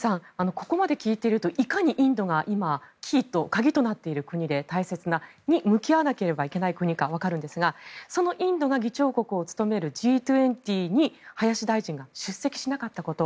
ここまで聞いているといかにインドが今、鍵となっている国で大切に向き合わなければいけない国かわかるんですがそのインドが議長国を務めるＧ２０に林大臣が出席しなかったこと。